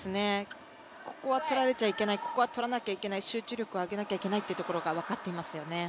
ここはとられちゃいけないとらなきゃいけない、集中力を上げなきゃいけないというのが分かっていますよね。